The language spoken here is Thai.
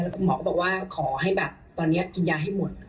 คุณหมอก็บอกว่าขอให้แบบตอนนี้กินยาให้หมด